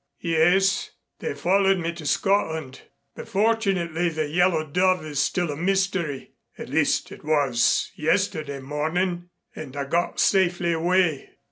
"Yes. They followed me to Scotland, but fortunately the Yellow Dove is still a mystery at least it was yesterday morning, and I got safely away."